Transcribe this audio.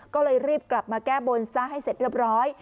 ก็เลยรีบกลับมาแก้บนซะให้เสร็จเรียบร้อย